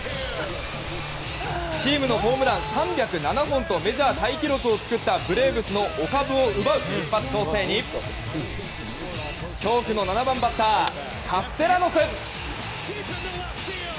チームのホームラン３０７本とメジャータイ記録を作ったブレーブスのお株を奪う一発攻勢に恐怖の７番バッターカステヤノス！